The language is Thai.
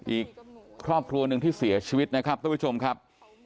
อีกครอบครัวหนึ่งที่เสียชีวิตนะครับทุกผู้ชมครับ